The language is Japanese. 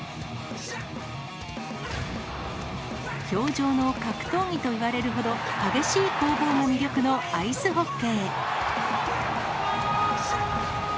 氷上の格闘技といわれるほど、激しい攻防が魅力のアイスホッケー。